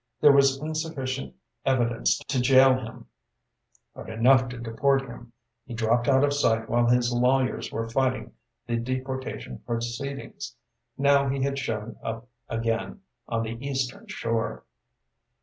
There was insufficient evidence to jail him, but enough to deport him. He dropped out of sight while his lawyers were fighting the deportation proceedings. Now he had shown up again, on the Eastern Shore.